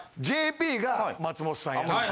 ＪＰが松本さんやって。